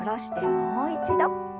もう一度。